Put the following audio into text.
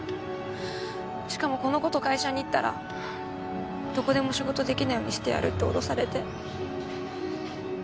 しかもこのこと会社に言ったらどこでも仕事できないようにしてやるって脅されて。